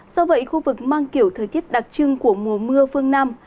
do vậy khu vực mang kiểu thời tiết đặc trưng của mùa mưa phương nam